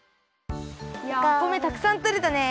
いやお米たくさんとれたね！